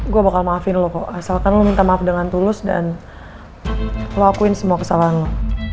gue bakal maafin lo kok asalkan lo minta maaf dengan tulus dan lo akuin semua kesalahanmu